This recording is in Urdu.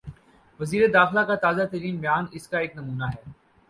وزیر داخلہ کا تازہ ترین بیان اس کا ایک نمونہ ہے۔